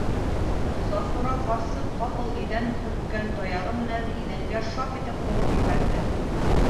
Сафура ҡарсыҡ ҡапыл иҙән һөрткән таяғы менән иҙәнгә шап итеп һуғып ебәрҙе.